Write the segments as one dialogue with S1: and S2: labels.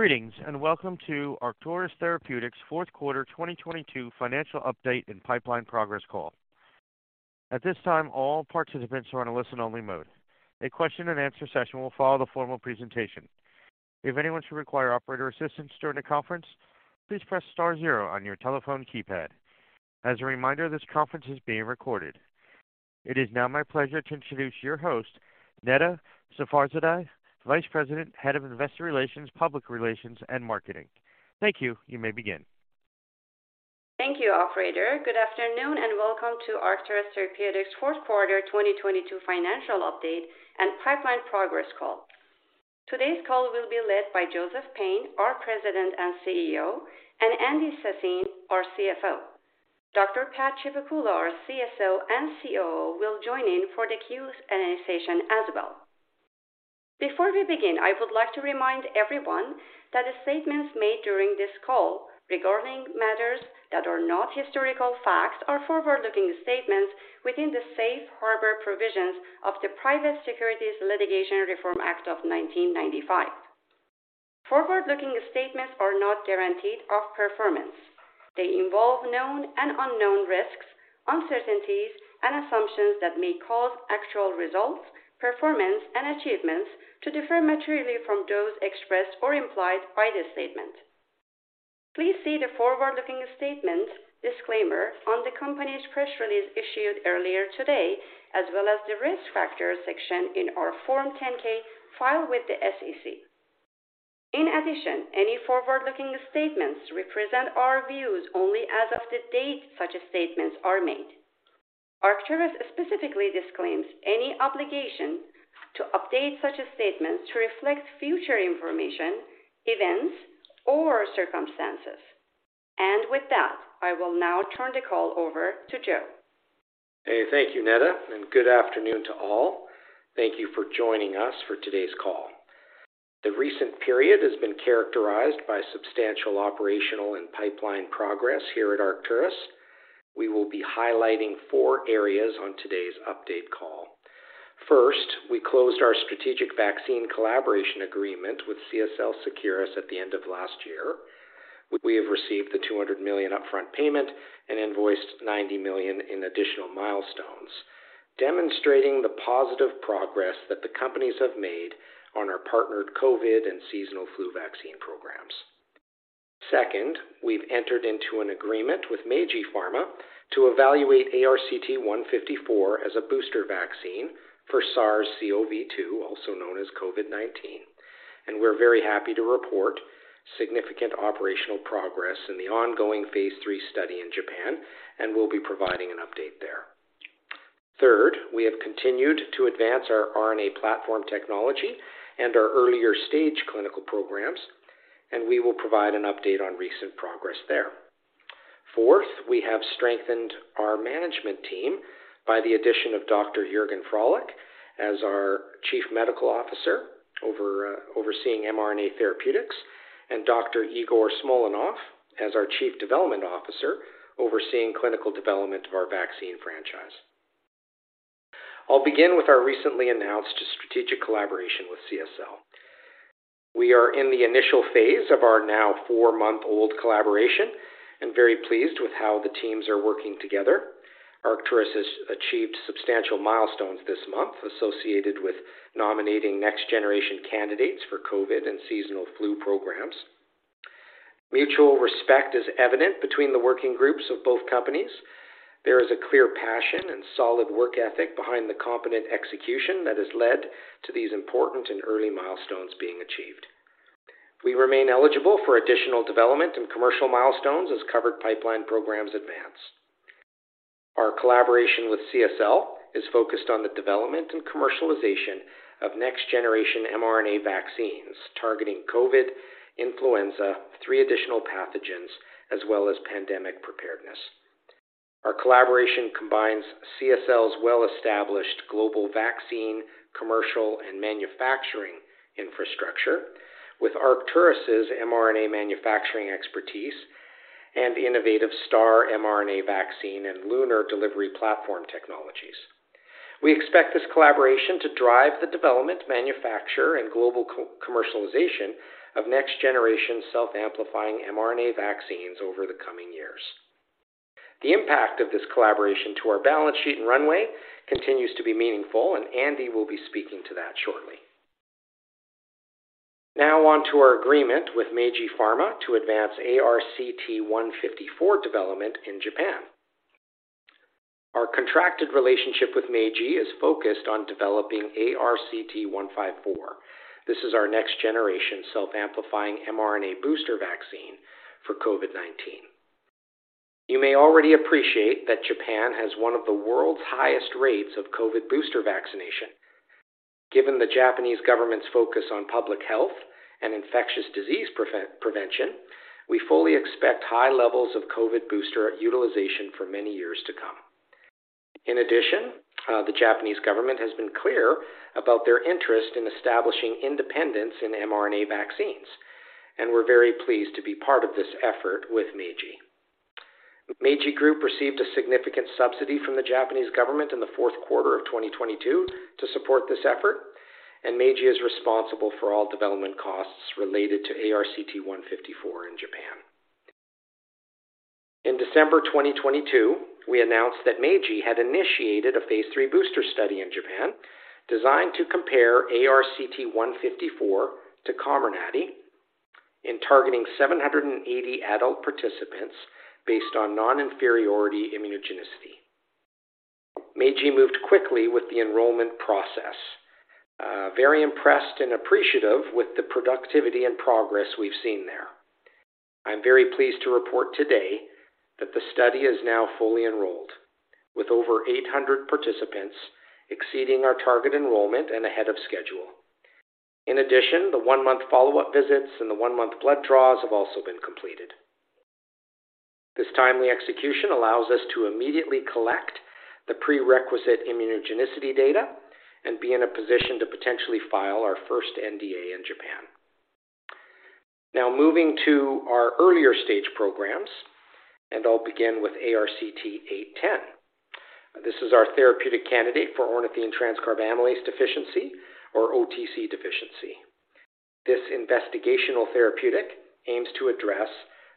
S1: Greetings, and welcome to Arcturus Therapeutics' fourth quarter 2022 financial update and pipeline progress call. At this time, all participants are in a listen-only mode. A question and answer session will follow the formal presentation. If anyone should require operator assistance during the conference, please press STAR zero on your telephone keypad. As a reminder, this conference is being recorded. It is now my pleasure to introduce your host, Neda Safarzadeh, Vice President, Head of Investor Relations, Public Relations and Marketing. Thank you. You may begin.
S2: Thank you, operator. Good afternoon, and welcome to Arcturus Therapeutics' fourth quarter 2022 financial update and pipeline progress call. Today's call will be led by Joseph Payne, our President and CEO, and Andrew Sassine, our CFO. Dr. Pad Chivukula, our CSO and COO, will join in for the Q&A session as well. Before we begin, I would like to remind everyone that the statements made during this call regarding matters that are not historical facts are forward-looking statements within the Safe Harbor provisions of the Private Securities Litigation Reform Act of 1995. Forward-looking statements are not guaranteed of performance. They involve known and unknown risks, uncertainties, and assumptions that may cause actual results, performance, and achievements to differ materially from those expressed or implied by this statement. Please see the forward-looking statement disclaimer on the company's press release issued earlier today, as well as the Risk Factors section in our Form 10-K filed with the SEC. In addition, any forward-looking statements represent our views only as of the date such statements are made. Arcturus specifically disclaims any obligation to update such statements to reflect future information, events, or circumstances. With that, I will now turn the call over to Joe.
S3: Hey. Thank you, Neda, and good afternoon to all. Thank you for joining us for today's call. The recent period has been characterized by substantial operational and pipeline progress here at Arcturus. We will be highlighting four areas on today's update call. First, we closed our strategic vaccine collaboration agreement with CSL Seqirus at the end of last year. We have received the $200 million upfront payment and invoiced $90 million in additional milestones, demonstrating the positive progress that the companies have made on our partnered COVID and seasonal flu vaccine programs. Second, we've entered into an agreement with Meiji Pharma to evaluate ARCT-154 as a booster vaccine for SARS-CoV-2, also known as COVID-19. We're very happy to report significant operational progress in the ongoing Phase III study in Japan, and we'll be providing an update there. We have continued to advance our RNA platform technology and our earlier stage clinical programs. We will provide an update on recent progress there. We have strengthened our management team by the addition of Dr. Juergen Froehlich as our Chief Medical Officer overseeing mRNA therapeutics. Dr. Igor Smolenov as our Chief Development Officer overseeing clinical development of our vaccine franchise. I'll begin with our recently announced strategic collaboration with CSL. We are in the initial phase of our now four-month-old collaboration and very pleased with how the teams are working together. Arcturus has achieved substantial milestones this month associated with nominating next generation candidates for COVID and seasonal flu programs. Mutual respect is evident between the working groups of both companies. There is a clear passion and solid work ethic behind the competent execution that has led to these important and early milestones being achieved. We remain eligible for additional development and commercial milestones as covered pipeline programs advance. Our collaboration with CSL is focused on the development and commercialization of next generation mRNA vaccines targeting COVID, influenza, three additional pathogens, as well as pandemic preparedness. Our collaboration combines CSL's well-established global vaccine, commercial, and manufacturing infrastructure with Arcturus' mRNA manufacturing expertise and innovative STAR mRNA vaccine and LUNAR delivery platform technologies. We expect this collaboration to drive the development, manufacture, and global co-commercialization of next generation self-amplifying mRNA vaccines over the coming years. The impact of this collaboration to our balance sheet and runway continues to be meaningful, Andy will be speaking to that shortly. On to our agreement with Meiji Pharma to advance ARCT-154 development in Japan. Our contracted relationship with Meiji is focused on developing ARCT-154. This is our next generation self-amplifying mRNA booster vaccine for COVID-19. You may already appreciate that Japan has one of the world's highest rates of COVID booster vaccination. Given the Japanese government's focus on public health and infectious disease prevention, we fully expect high levels of COVID booster utilization for many years to come. In addition, the Japanese government has been clear about their interest in establishing independence in mRNA vaccines, and we're very pleased to be part of this effort with Meiji. Meiji Group received a significant subsidy from the Japanese government in the fourth quarter of 2022 to support this effort, and Meiji is responsible for all development costs related to ARCT-154 in Japan. In December 2022, we announced that Meiji had initiated a phase III booster study in Japan designed to compare ARCT-154 to Comirnaty in targeting 780 adult participants based on non-inferiority immunogenicity. Meiji moved quickly with the enrollment process. Very impressed and appreciative with the productivity and progress we've seen there. I'm very pleased to report today that the study is now fully enrolled with over 800 participants exceeding our target enrollment and ahead of schedule. In addition, the 1-month follow-up visits and the 1-month blood draws have also been completed. This timely execution allows us to immediately collect the prerequisite immunogenicity data and be in a position to potentially file our first NDA in Japan. Moving to our earlier stage programs, and I'll begin with ARCT-810. This is our therapeutic candidate for ornithine transcarbamylase deficiency, or OTC deficiency. This investigational therapeutic aims to address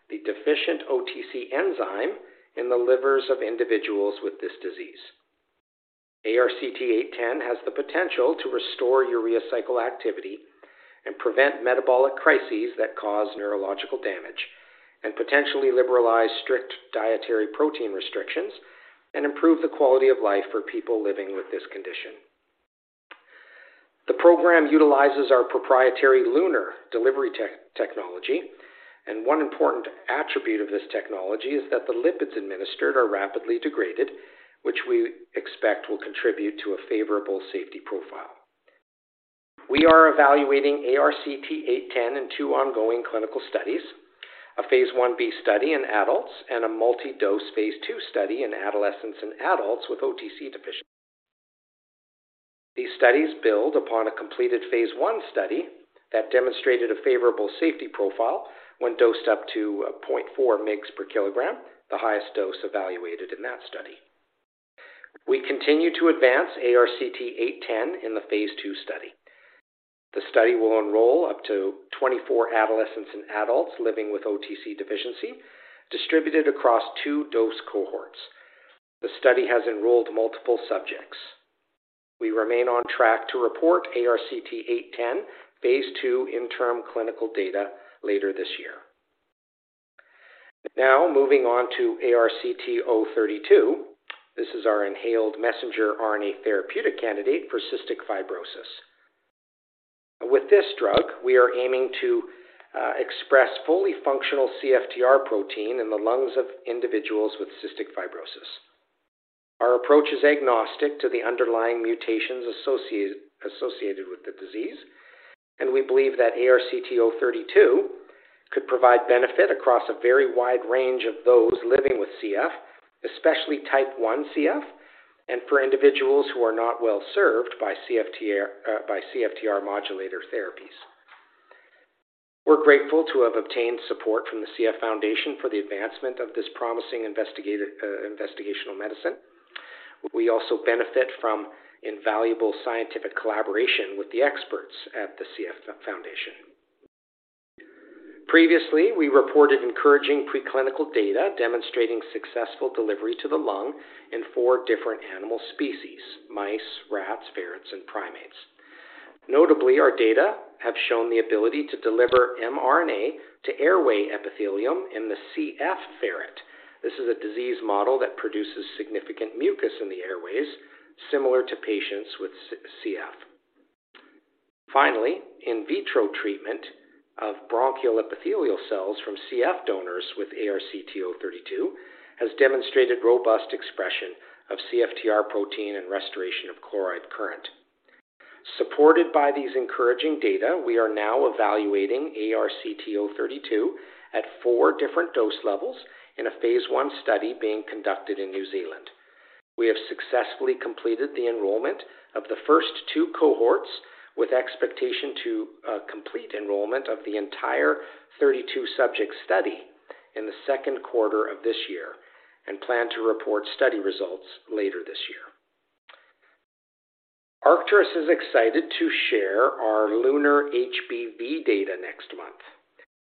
S3: the deficient OTC enzyme in the livers of individuals with this disease. ARCT-810 has the potential to restore urea cycle activity and prevent metabolic crises that cause neurological damage, and potentially liberalize strict dietary protein restrictions and improve the quality of life for people living with this condition. The program utilizes our proprietary LUNAR delivery technology, and one important attribute of this technology is that the lipids administered are rapidly degraded, which we expect will contribute to a favorable safety profile. We are evaluating ARCT-810 in two ongoing clinical studies, a phase I-B study in adults, and a multi-dose phase II study in adolescents and adults with OTC deficiency. These studies build upon a completed phase I study that demonstrated a favorable safety profile when dosed up to 0.4 mgs per kilogram, the highest dose evaluated in that study. We continue to advance ARCT-810 in the phase II study. The study will enroll up to 24 adolescents and adults living with OTC deficiency distributed across two dose cohorts. The study has enrolled multiple subjects. We remain on track to report ARCT-810 phase II interim clinical data later this year. Now moving on to ARCT-032. This is our inhaled mRNA therapeutic candidate for cystic fibrosis. With this drug, we are aiming to express fully functional CFTR protein in the lungs of individuals with cystic fibrosis. Our approach is agnostic to the underlying mutations associated with the disease, and we believe that ARCT-032 could provide benefit across a very wide range of those living with CF, especially type 1 CF, and for individuals who are not well-served by CFTR modulator therapies. We're grateful to have obtained support from the CF Foundation for the advancement of this promising investigational medicine. We also benefit from invaluable scientific collaboration with the experts at the CF Foundation. Previously, we reported encouraging preclinical data demonstrating successful delivery to the lung in four different animal species, mice, rats, ferrets, and primates. Notably, our data have shown the ability to deliver mRNA to airway epithelium in the CF ferret. This is a disease model that produces significant mucus in the airways similar to patients with CF. Finally, in vitro treatment of bronchial epithelial cells from CF donors with ARCT-032 has demonstrated robust expression of CFTR protein and restoration of chloride current. Supported by these encouraging data, we are now evaluating ARCT-032 at 4 different dose levels in a phase I study being conducted in New Zealand. We have successfully completed the enrollment of the first two cohorts with expectation to complete enrollment of the entire 32 subject study in the second quarter of this year and plan to report study results later this year. Arcturus is excited to share our LUNAR-HBV data next month.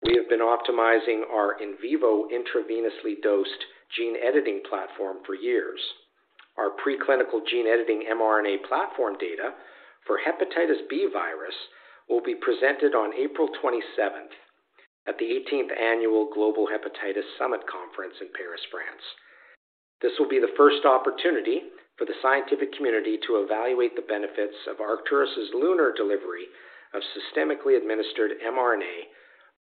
S3: We have been optimizing our in vivo intravenously dosed gene editing platform for years. Our preclinical gene editing mRNA platform data for hepatitis B virus will be presented on April 27th at the 18th Annual Global Hepatitis Summit Conference in Paris, France. This will be the first opportunity for the scientific community to evaluate the benefits of Arcturus' LUNAR delivery of systemically administered mRNA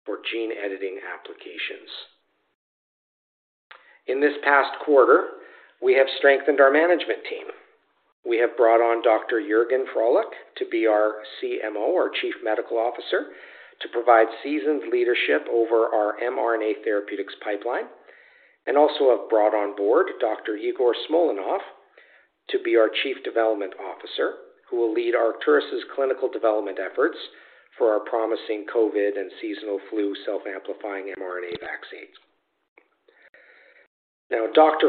S3: for gene editing applications. In this past quarter, we have strengthened our management team. We have brought on Dr. Juergen Froehlich to be our CMO, our Chief Medical Officer, to provide seasoned leadership over our mRNA therapeutics pipeline, and also have brought on board Dr. Igor Smolenov to be our Chief Development Officer, who will lead Arcturus' clinical development efforts for our promising COVID and seasonal flu self-amplifying mRNA vaccines. Dr.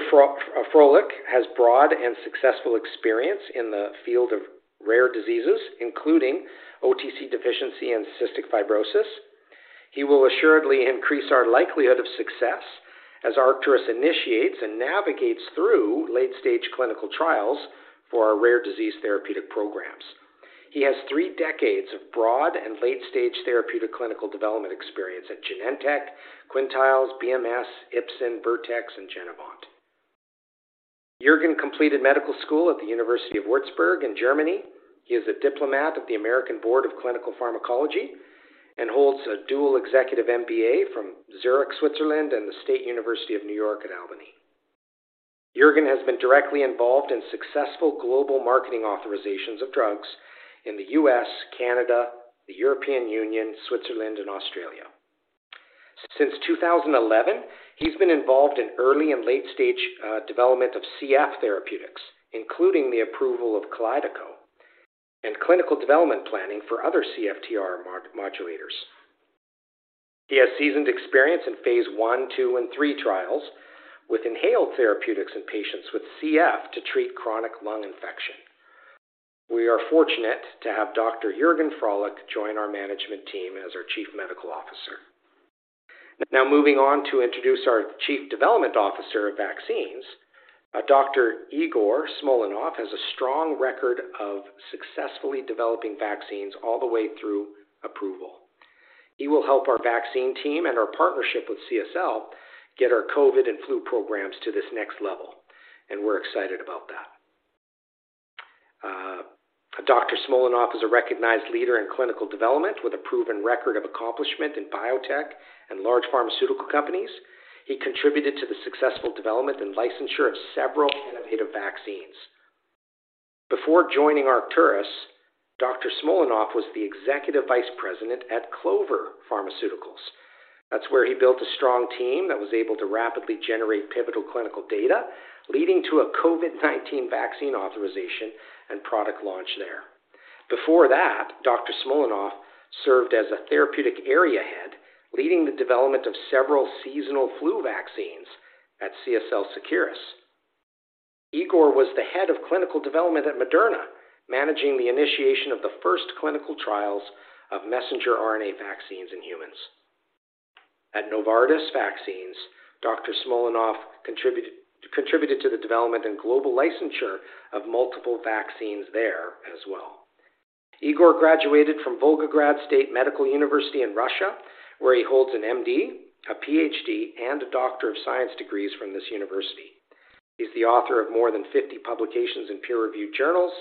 S3: Froehlich has broad and successful experience in the field of rare diseases, including OTC deficiency and cystic fibrosis. He will assuredly increase our likelihood of success as Arcturus initiates and navigates through late-stage clinical trials for our rare disease therapeutic programs. He has three decades of broad and late-stage therapeutic clinical development experience at Genentech, Quintiles, BMS, Ipsen, Vertex, and Genevant. Juergen completed medical school at the University of Würzburg in Germany. He is a diplomat of the American Board of Clinical Pharmacology and holds a dual executive MBA from Zurich, Switzerland, and the State University of New York at Albany. Juergen has been directly involved in successful global marketing authorizations of drugs in the U.S., Canada, the European Union, Switzerland, and Australia. Since 2011, he's been involved in early and late-stage development of CF therapeutics, including the approval of Kalydeco and clinical development planning for other CFTR modulators. He has seasoned experience in phase I, II, and III trials with inhaled therapeutics in patients with CF to treat chronic lung infection. We are fortunate to have Dr. Juergen Froehlich join our management team as our Chief Medical Officer. Moving on to introduce our Chief Development Officer of vaccines. Dr. Igor Smolenov has a strong record of successfully developing vaccines all the way through approval. He will help our vaccine team and our partnership with CSL get our COVID and flu programs to this next level. We're excited about that. Dr. Smolenov is a recognized leader in clinical development with a proven record of accomplishment in biotech and large pharmaceutical companies. He contributed to the successful development and licensure of several innovative vaccines. Before joining Arcturus, Dr. Smolenov was the Executive Vice President at Clover Pharmaceuticals. That's where he built a strong team that was able to rapidly generate pivotal clinical data, leading to a COVID-19 vaccine authorization and product launch there. Before that, Dr. Smolenov served as a therapeutic area head, leading the development of several seasonal flu vaccines at CSL Seqirus. Igor was the head of clinical development at Moderna, managing the initiation of the first clinical trials of messenger RNA vaccines in humans. At Novartis Vaccines, Dr. Smolenov contributed to the development and global licensure of multiple vaccines there as well. Igor graduated from Volgograd State Medical University in Russia, where he holds an MD, a PhD, and a Doctor of Science degrees from this university. He's the author of more than 50 publications in peer-reviewed journals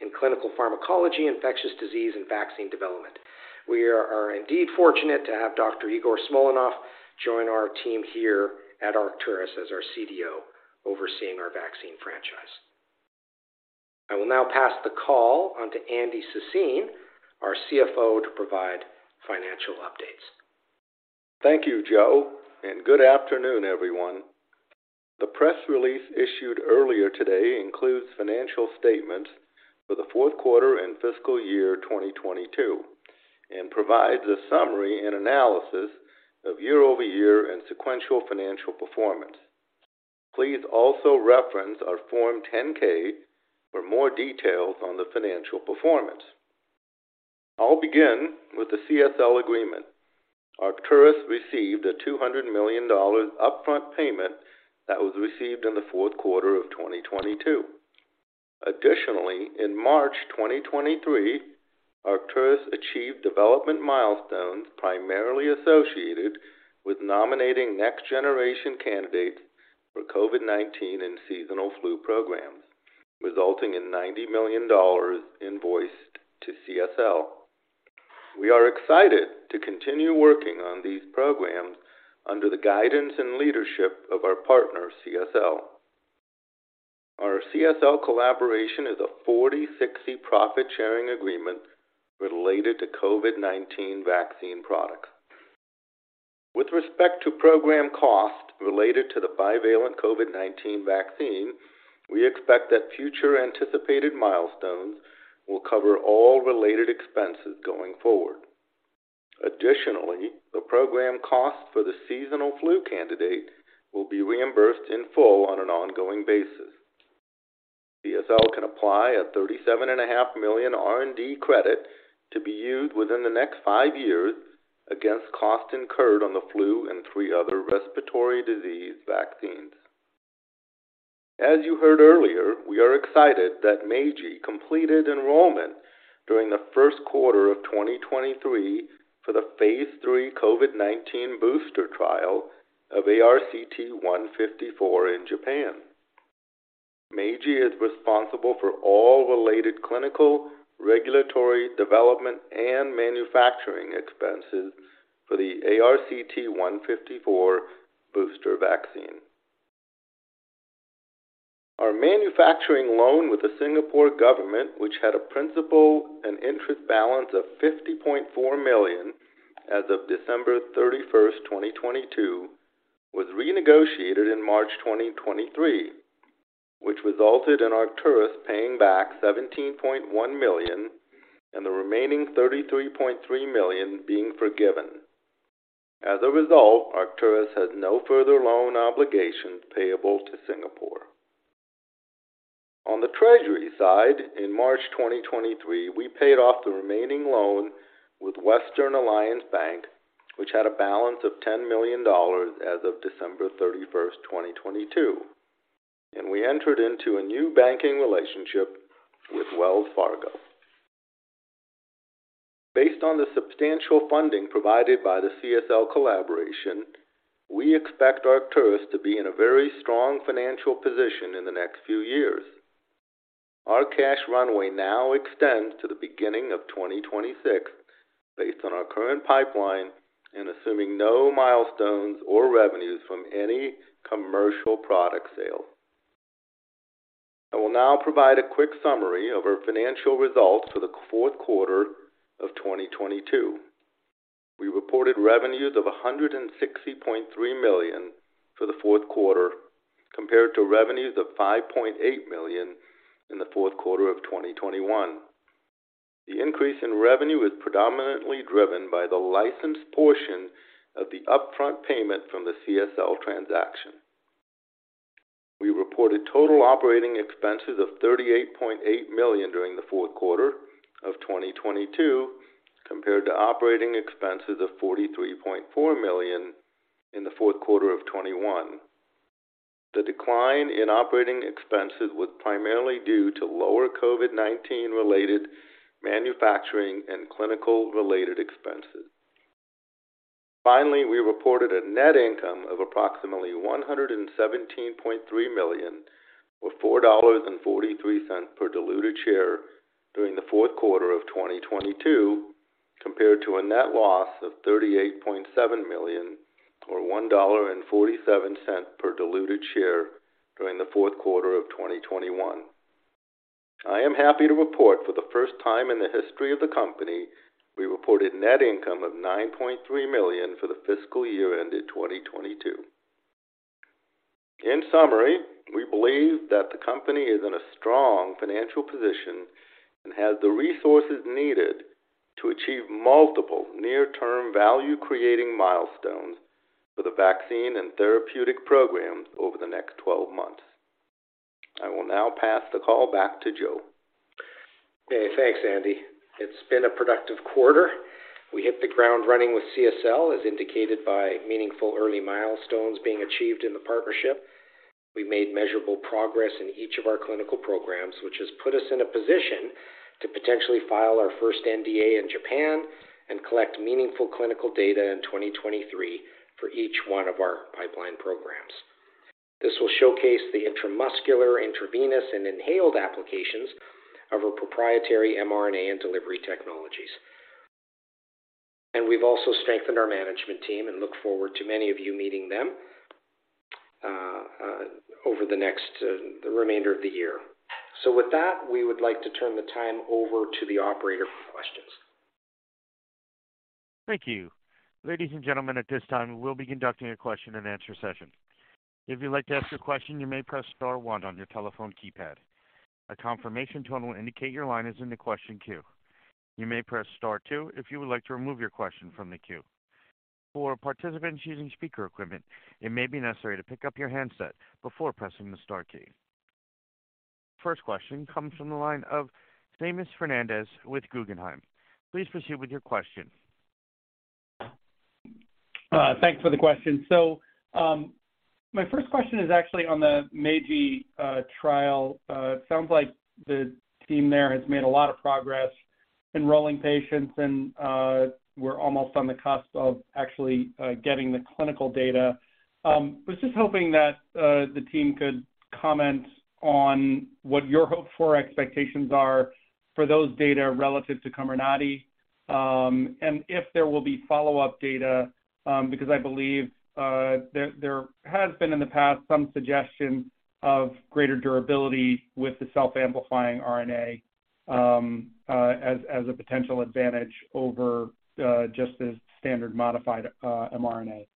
S3: in clinical pharmacology, infectious disease, and vaccine development. We are indeed fortunate to have Dr. Igor Smolenov join our team here at Arcturus as our CDO overseeing our vaccine franchise. I will now pass the call on to Andy Sassine, our CFO, to provide financial updates.
S4: Thank you, Joe, and good afternoon, everyone. The press release issued earlier today includes financial statements for the fourth quarter and fiscal year 2022 and provides a summary and analysis of year-over-year and sequential financial performance. Please also reference our Form 10-K for more details on the financial performance. I'll begin with the CSL agreement. Arcturus received a $200 million upfront payment that was received in the fourth quarter of 2022. Additionally, in March 2023, Arcturus achieved development milestones primarily associated with nominating next-generation candidates for COVID-19 and seasonal flu programs, resulting in $90 million invoiced to CSL. We are excited to continue working on these programs under the guidance and leadership of our partner, CSL. Our CSL collaboration is a 40-60 profit-sharing agreement related to COVID-19 vaccine products. With respect to program cost related to the bivalent COVID-19 vaccine, we expect that future anticipated milestones will cover all related expenses going forward. Additionally, the program cost for the seasonal flu candidate will be reimbursed in full on an ongoing basis. CSL can a $37.5 million R&D credit to be used within the next five years against cost incurred on the flu and three other respiratory disease vaccines. As you heard earlier, we are excited that Meiji completed enrollment during the first quarter of 2023 for the phase III COVID-19 booster trial of ARCT-154 in Japan. Meiji is responsible for all related clinical, regulatory, development, and manufacturing expenses for the ARCT-154 booster vaccine. Our manufacturing loan with the Singapore government, which had a principal and interest balance of $50.4 million as of December 31, 2022. Was renegotiated in March 2023, which resulted in Arcturus paying back $17.1 million and the remaining $33.3 million being forgiven. As a result, Arcturus has no further loan obligations payable to Singapore. On the treasury side, in March 2023, we paid off the remaining loan with Western Alliance Bank, which had a balance of $10 million as of December 31, 2022, and we entered into a new banking relationship with Wells Fargo. Based on the substantial funding provided by the CSL collaboration, we expect Arcturus to be in a very strong financial position in the next few years. Our cash runway now extends to the beginning of 2026 based on our current pipeline and assuming no milestones or revenues from any commercial product sales. I will now provide a quick summary of our financial results for the fourth quarter of 2022. We reported revenues of $160.3 million for the fourth quarter compared to revenues of $5.8 million in the fourth quarter of 2021. The increase in revenue was predominantly driven by the licensed portion of the upfront payment from the CSL transaction. We reported total operating expenses of $38.8 million during the fourth quarter of 2022 compared to operating expenses of $43.4 million in the fourth quarter of 2021. The decline in operating expenses was primarily due to lower COVID-19 related manufacturing and clinical related expenses. We reported a net income of approximately $117.3 million, or $4.43 per diluted share during the fourth quarter of 2022, compared to a net loss of $38.7 million or $1.47 per diluted share during the fourth quarter of 2021. I am happy to report for the first time in the history of the company, we reported net income of $9.3 million for the fiscal year ended 2022. In summary, we believe that the company is in a strong financial position and has the resources needed to achieve multiple near-term value creating milestones for the vaccine and therapeutic programs over the next 12 months. I will now pass the call back to Joe.
S3: Hey, thanks, Andy. It's been a productive quarter. We hit the ground running with CSL, as indicated by meaningful early milestones being achieved in the partnership. We made measurable progress in each of our clinical programs, which has put us in a position to potentially file our first NDA in Japan and collect meaningful clinical data in 2023 for each one of our pipeline programs. This will showcase the intramuscular, intravenous, and inhaled applications of our proprietary mRNA and delivery technologies. We've also strengthened our management team and look forward to many of you meeting them over the next, the remainder of the year. With that, we would like to turn the time over to the operator for questions.
S1: Thank you. Ladies and gentlemen, at this time, we will be conducting a question-and-answer session. If you'd like to ask a question, you may press star one on your telephone keypad. A confirmation tone will indicate your line is in the question queue. You may press star two if you would like to remove your question from the queue. For participants using speaker equipment, it may be necessary to pick up your handset before pressing the star key. First question comes from the line of Seamus Fernandez with Guggenheim. Please proceed with your question.
S5: Thanks for the question. My first question is actually on the Meiji trial. It sounds like the team there has made a lot of progress enrolling patients, and we're almost on the cusp of actually getting the clinical data. Was just hoping that the team could comment on what your hope for expectations are for those data relative to Comirnaty, and if there will be follow-up data, because I believe there has been in the past some suggestion of greater durability with the self-amplifying RNA as a potential advantage over just the standard modified mRNA.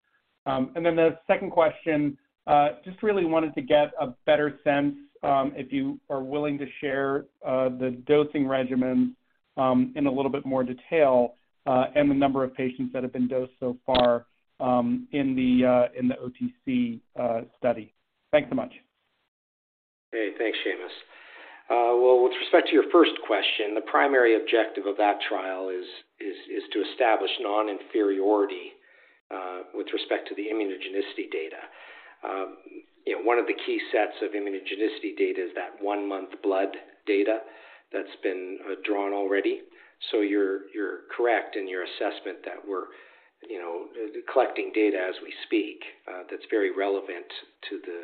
S5: The second question, just really wanted to get a better sense, if you are willing to share the dosing regimen in a little bit more detail, and the number of patients that have been dosed so far in the OTC study? Thanks so much.
S3: Hey, thanks, Seamus. Well, with respect to your first question, the primary objective of that trial is to establish non-inferiority with respect to the immunogenicity data. You know, one of the key sets of immunogenicity data is that one-month blood data that's been drawn already. You're correct in your assessment that we're, you know, collecting data as we speak, that's very relevant to the,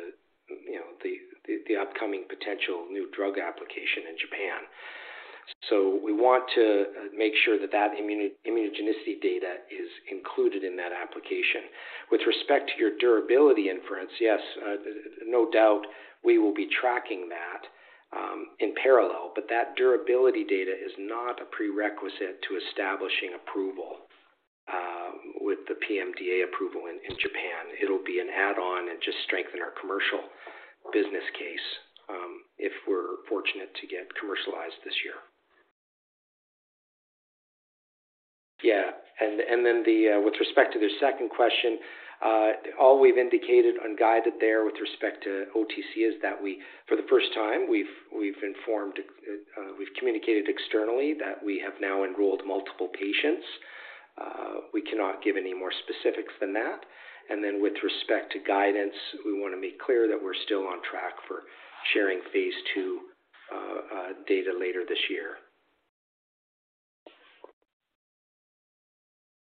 S3: you know, the upcoming potential new drug application in Japan. We want to make sure that that immunogenicity data is included in that application. With respect to your durability inference, yes, no doubt we will be tracking that in parallel, but that durability data is not a prerequisite to establishing approval with the PMDA approval in Japan. It'll be an add-on and just strengthen our commercial business case, if we're fortunate to get commercialized this year. Yeah. Then the with respect to the second question, all we've indicated on guided there with respect to OTC is that we, for the first time, we've informed, we've communicated externally that we have now enrolled multiple patients. We cannot give any more specifics than that. With respect to guidance, we wanna make clear that we're still on track for sharing phase II data later this year.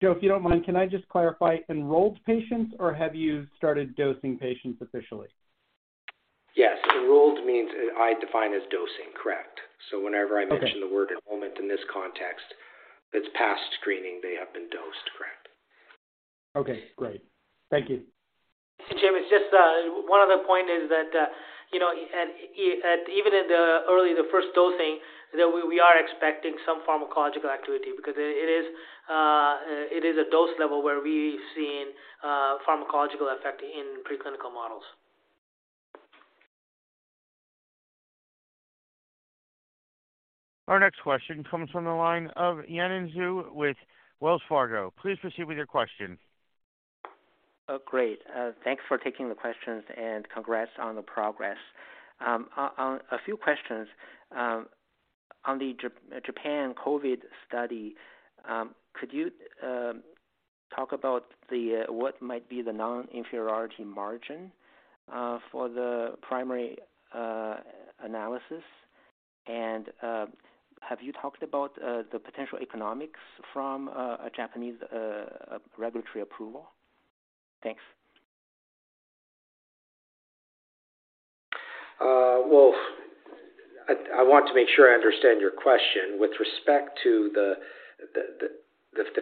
S5: Joe, if you don't mind, can I just clarify, enrolled patients or have you started dosing patients officially?
S3: Yes. Enrolled means, I define as dosing. Correct. whenever I.
S5: Okay.
S3: -mention the word enrollment in this context that's past screening, they have been dosed, correct?
S5: Okay, great. Thank you.
S6: Joe, it's just one other point is that, you know, and even in the early, the first dosing, that we are expecting some pharmacological activity because it is a dose level where we've seen pharmacological effect in preclinical models.
S1: Our next question comes from the line of Yanan Zhu with Wells Fargo. Please proceed with your question.
S7: Oh, great. Thanks for taking the questions and congrats on the progress. On a few questions, on the Japan COVID study, could you talk about the what might be the non-inferiority margin for the primary analysis? Have you talked about the potential economics from a Japanese regulatory approval? Thanks.
S3: Well, I want to make sure I understand your question. With respect to the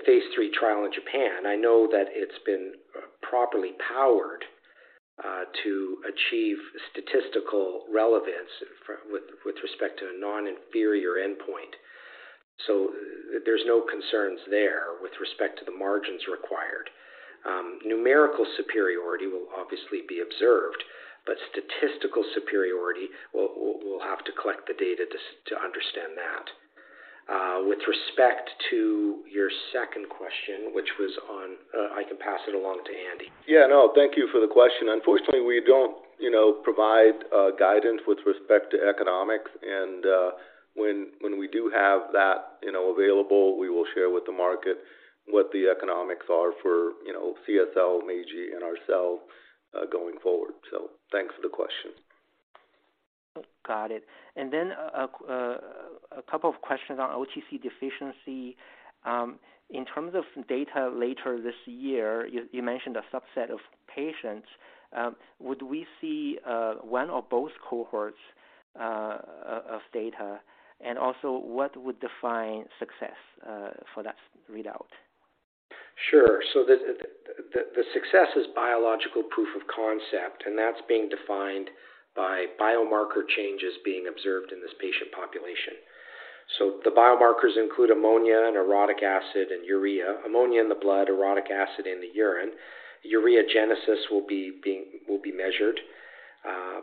S3: phase III trial in Japan, I know that it's been properly powered to achieve statistical relevance with respect to a non-inferior endpoint. There's no concerns there with respect to the margins required. Numerical superiority will obviously be observed, but statistical superiority will have to collect the data to understand that. With respect to your second question, which was on, I can pass it along to Andy.
S4: Yeah, no, thank you for the question. Unfortunately, we don't, you know, provide, guidance with respect to economics. When we do have that, you know, available, we will share with the market what the economics are for, you know, CSL, Meiji, and ourselves, going forward. Thanks for the question.
S7: Got it. A couple of questions on OTC deficiency. In terms of data later this year, you mentioned a subset of patients. Would we see one or both cohorts of data? What would define success for that readout?
S3: Sure. The success is biological proof of concept, and that's being defined by biomarker changes being observed in this patient population. The biomarkers include ammonia and orotic acid and urea. Ammonia in the blood, orotic acid in the urine. Ureagenesis will be measured,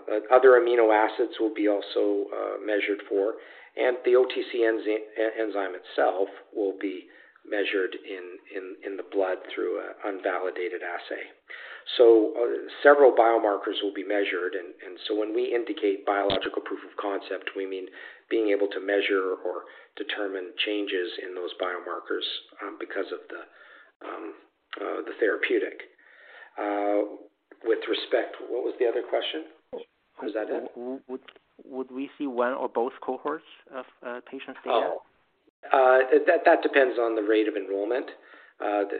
S3: but other amino acids will be also measured for, and the OTC enzyme itself will be measured in the blood through a unvalidated assay. Several biomarkers will be measured. When we indicate biological proof of concept, we mean being able to measure or determine changes in those biomarkers because of the therapeutic. With respect... What was the other question? Was that it?
S7: Would we see one or both cohorts of patient data?
S3: That depends on the rate of enrollment.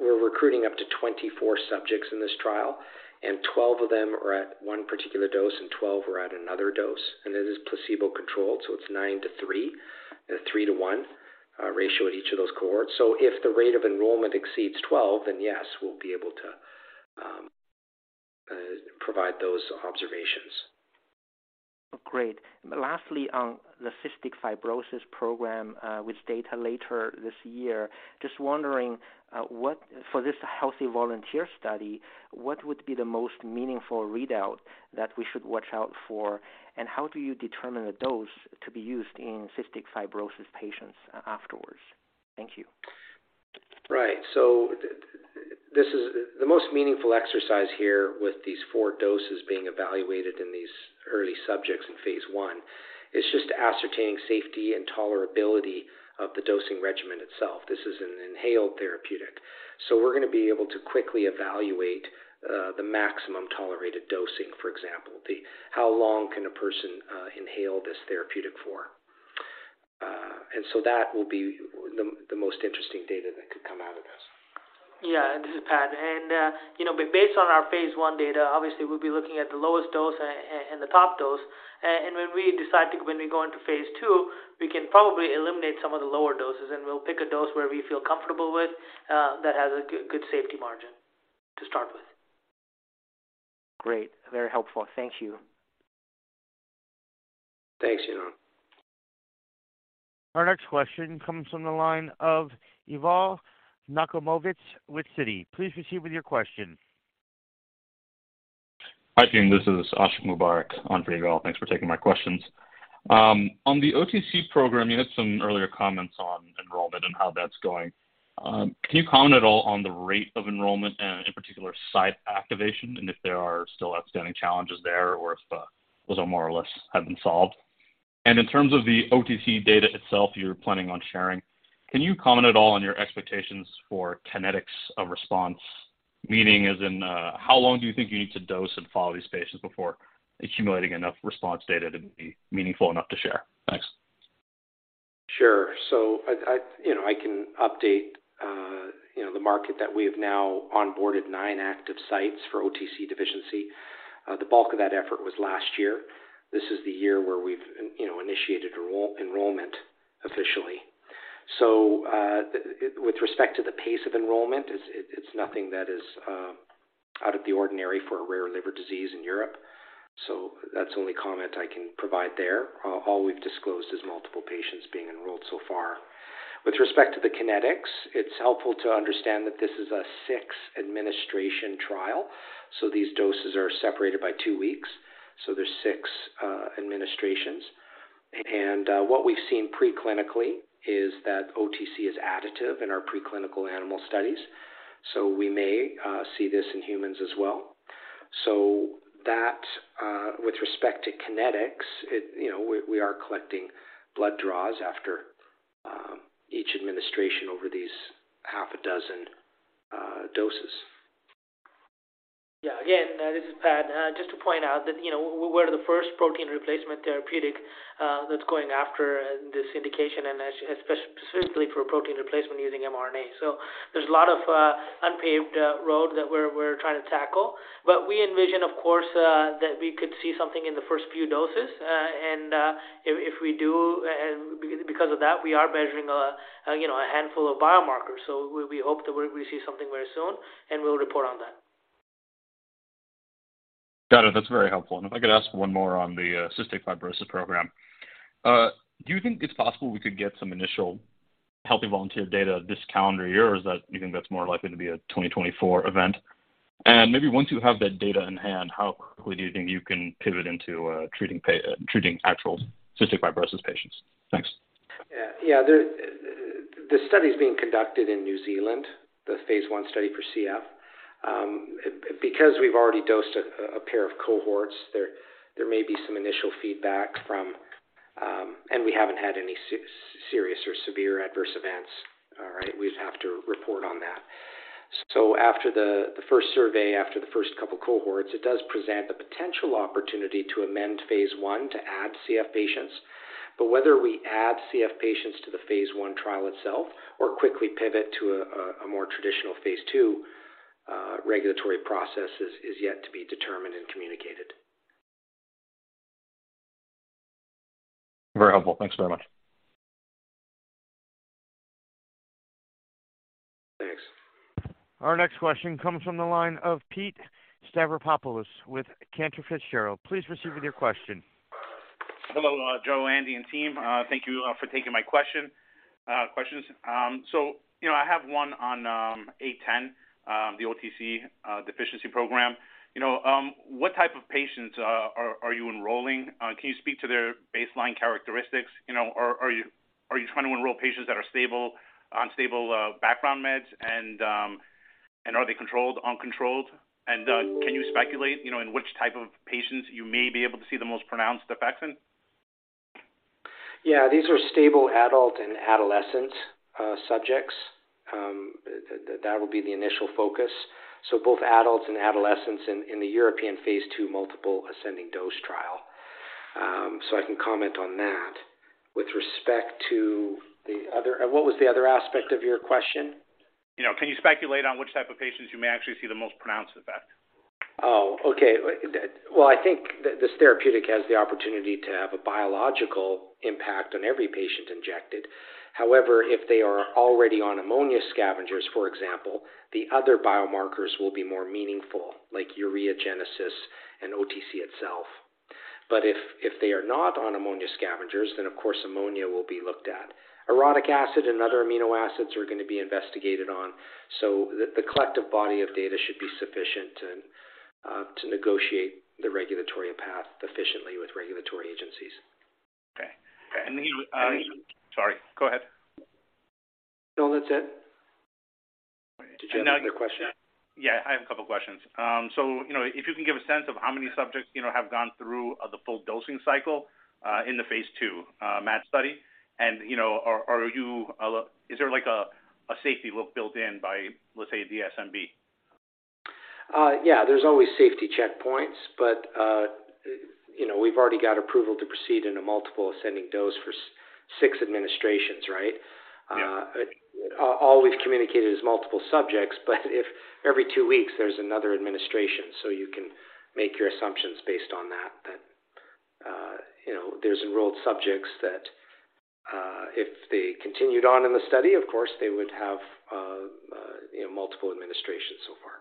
S3: We're recruiting up to 24 subjects in this trial, 12 of them are at one particular dose, 12 are at another dose. It is placebo-controlled, so it's nine to three. three to one ratio at each of those cohorts. If the rate of enrollment exceeds 12, then yes, we'll be able to provide those observations.
S7: Great. Lastly, on the cystic fibrosis program, with data later this year, just wondering, for this healthy volunteer study, what would be the most meaningful readout that we should watch out for, and how do you determine the dose to be used in cystic fibrosis patients afterwards? Thank you.
S3: This is the most meaningful exercise here with these four doses being evaluated in these early subjects in phase I is just ascertaining safety and tolerability of the dosing regimen itself. This is an inhaled therapeutic. We're gonna be able to quickly evaluate the maximum tolerated dosing, for example, the how long can a person inhale this therapeutic for. That will be the most interesting data that could come out of this.
S6: This is Pad. You know, based on our phase 1 data, obviously, we'll be looking at the lowest dose and the top dose. When we decide when we go into phase II, we can probably eliminate some of the lower doses, and we'll pick a dose where we feel comfortable with, that has a good safety margin to start with.
S7: Great. Very helpful. Thank you.
S3: Thanks, Yanan.
S1: Our next question comes from the line of Yigal Nochomovitz with Citi. Please proceed with your question.
S8: Hi, team. This is Ashiq Mubarack on for Yigal. Thanks for taking my questions. On the OTC program, you had some earlier comments on enrollment and how that's going. Can you comment at all on the rate of enrollment and in particular site activation and if there are still outstanding challenges there or if, those are more or less have been solved? In terms of the OTC data itself you're planning on sharing, can you comment at all on your expectations for kinetics of response? Meaning as in, how long do you think you need to dose and follow these patients before accumulating enough response data to be meaningful enough to share? Thanks.
S3: Sure. I, you know, I can update, you know, the market that we have now onboarded 9 active sites for OTC deficiency. The bulk of that effort was last year. This is the year where we've, you know, initiated enrollment officially. With respect to the pace of enrollment, it's nothing that is out of the ordinary for a rare liver disease in Europe. That's the only comment I can provide there. All we've disclosed is multiple patients being enrolled so far. With respect to the kinetics, it's helpful to understand that this is a six-administration trial, these doses are separated by two weeks. There's six administrations. What we've seen pre-clinically is that OTC is additive in our preclinical animal studies, so we may see this in humans as well. So that's with respect to kinetics, you know, we are collecting blood draws after each administration over these half a dozen doses.
S6: Yeah. Again, this is Pad. just to point out that, you know, we're the first protein replacement therapeutic that's going after this indication and specifically for protein replacement using mRNA. There's a lot of unpaved road that we're trying to tackle. We envision, of course, that we could see something in the first few doses. If we do, because of that, we are measuring, you know, a handful of biomarkers. We hope that we see something very soon, and we'll report on that.
S8: Got it. That's very helpful. If I could ask one more on the cystic fibrosis program. Do you think it's possible we could get some initial healthy volunteer data this calendar year? Do you think that's more likely to be a 2024 event? Maybe once you have that data in-hand, how quickly do you think you can pivot into treating actual cystic fibrosis patients? Thanks.
S3: Yeah. Yeah. The study is being conducted in New Zealand, the phase one study for CF. Because we've already dosed a pair of cohorts there may be some initial feedback from. We haven't had any serious or severe adverse events. All right. We'd have to report on that. After the first survey, after the first couple cohorts, it does present the potential opportunity to amend phase one to add CF patients. Whether we add CF patients to the phase one trial itself or quickly pivot to a more traditional phase two regulatory process is yet to be determined and communicated.
S8: Very helpful. Thanks very much.
S3: Thanks.
S1: Our next question comes from the line of Pete Stavropoulos with Cantor Fitzgerald. Please proceed with your question.
S9: Hello, Joe, Andy, and team. Thank you for taking my question, questions. You know, I have one on ARCT-810, the OTC deficiency program. You know, what type of patients are you enrolling? Can you speak to their baseline characteristics? You know, are you trying to enroll patients that are stable, on stable background meds and are they controlled, uncontrolled? Can you speculate, you know, in which type of patients you may be able to see the most pronounced effects in?
S3: Yeah. These are stable adult and adolescent subjects. That will be the initial focus. Both adults and adolescents in the European phase II multiple ascending dose trial. I can comment on that. With respect to the other... What was the other aspect of your question?
S9: You know, can you speculate on which type of patients you may actually see the most pronounced effect?
S3: Okay. Well, I think this therapeutic has the opportunity to have a biological impact on every patient injected. However, if they are already on ammonia scavengers, for example, the other biomarkers will be more meaningful, like ureagenesis and OTC itself. If they are not on ammonia scavengers, then of course ammonia will be looked at. Orotic acid and other amino acids are gonna be investigated on. The collective body of data should be sufficient to negotiate the regulatory path efficiently with regulatory agencies.
S9: Okay.
S3: Andy?
S9: Sorry, go ahead.
S3: No, that's it. Did you have another question?
S9: Yeah, I have a couple of questions. you know, if you can give a sense of how many subjects, you know, have gone through the full dosing cycle in the phase II match study? you know, are you, is there like a safety look built in by, let's say, DSMB?
S3: Yeah, there's always safety checkpoints, but, you know, we've already got approval to proceed in a multiple ascending dose for six administrations, right?
S9: Yeah.
S3: All we've communicated is multiple subjects. If every two weeks there's another administration, you can make your assumptions based on that. You know, there's enrolled subjects that, if they continued on in the study, of course, they would have, you know, multiple administrations so far.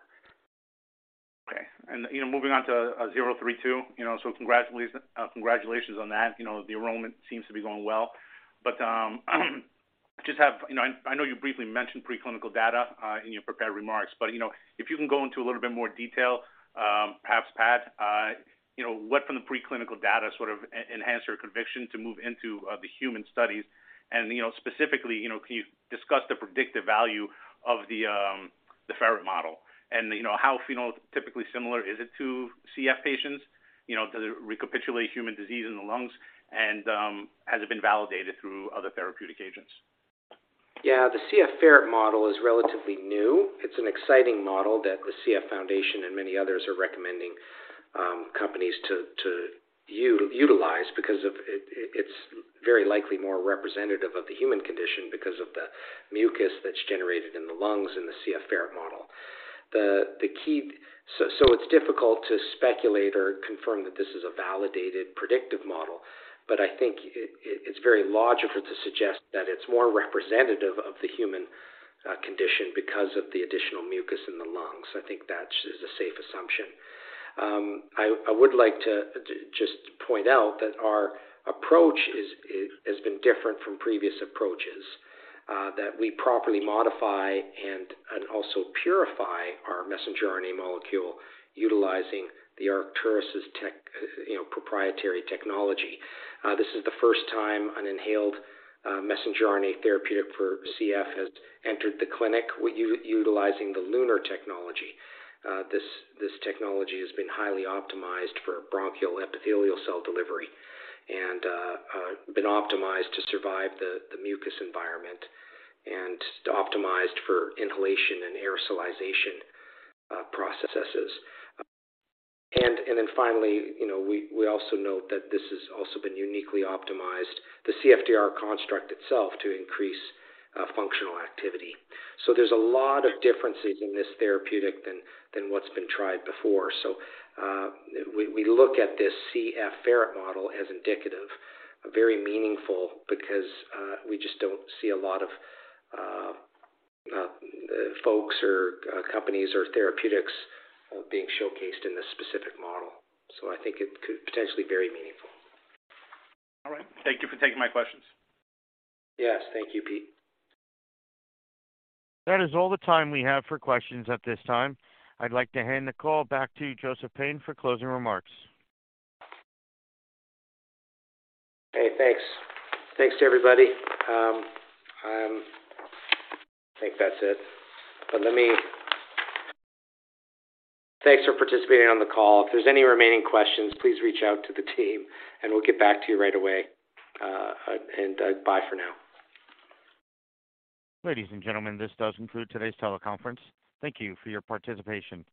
S9: Okay. You know, moving on to ARCT-032, you know, so congratulations on that. You know, the enrollment seems to be going well. Just have, you know, I know you briefly mentioned preclinical data in your prepared remarks, but, you know, if you can go into a little bit more detail, perhaps Pat, you know, what from the preclinical data sort of enhanced your conviction to move into the human studies. You know, specifically, you know, can you discuss the predictive value of the ferret model and, you know, how phenotypically similar is it to CF patients, you know, does it recapitulate human disease in the lungs and has it been validated through other therapeutic agents?
S3: The CF ferret model is relatively new. It's an exciting model that the Cystic Fibrosis Foundation and many others are recommending companies to utilize because it's very likely more representative of the human condition because of the mucus that's generated in the lungs in the CF ferret model. The key. So it's difficult to speculate or confirm that this is a validated predictive model, but I think it's very logical to suggest that it's more representative of the human condition because of the additional mucus in the lungs. I think that's just a safe assumption. I would like to just point out that our approach is, has been different from previous approaches that we properly modify and also purify our messenger RNA molecule utilizing the Arcturus' tech, you know, proprietary technology. This is the first time an inhaled messenger RNA therapeutic for CF has entered the clinic utilizing the LUNAR technology. This, this technology has been highly optimized for bronchial epithelial cell delivery and been optimized to survive the mucus environment and optimized for inhalation and aerosolization processes. Finally, you know, we also note that this has also been uniquely optimized, the CFTR construct itself, to increase functional activity. There's a lot of differences in this therapeutic than what's been tried before. We look at this CF ferret model as indicative, very meaningful because we just don't see a lot of folks or companies or therapeutics being showcased in this specific model. I think it could potentially very meaningful.
S9: All right. Thank you for taking my questions.
S3: Yes, thank you, Pete.
S1: That is all the time we have for questions at this time. I'd like to hand the call back to Joseph Payne for closing remarks.
S3: Hey, thanks. Thanks to everybody. I think that's it. Thanks for participating on the call. If there's any remaining questions, please reach out to the team and we'll get back to you right away. Bye for now.
S1: Ladies and gentlemen, this does conclude today's teleconference. Thank you for your participation.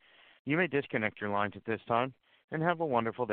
S1: You may disconnect your lines at this time, and have a wonderful day.